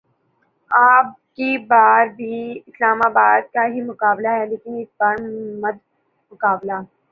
اب کی بار بھی اسلام آباد کا ہی مقابلہ ہے لیکن اس بار مدمقابل